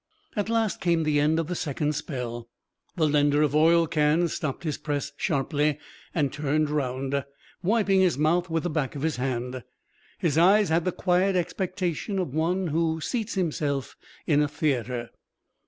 At last came the end of the second spell. The lender of oil cans stopped his press sharply and turned round, wiping his mouth with the back of his hand. His eyes had the quiet expectation of one who seats himself in a theatre.